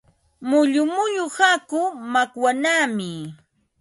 Mullu mullu hakuu makwanaami.